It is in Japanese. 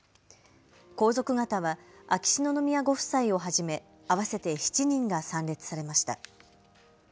皇族方は秋篠宮ご夫妻をはじめ合わせて７人が参列されました。